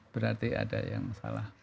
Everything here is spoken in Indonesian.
berarti ada yang salah